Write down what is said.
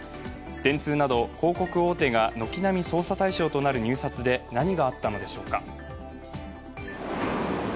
電通など広告大手が軒並み捜査対象となる入札で何があったのでしょうか。